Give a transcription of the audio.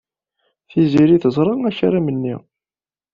Tiziri teẓra akaram-nni.